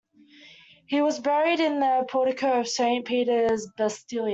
He was buried in the portico of Saint Peter's Basilica.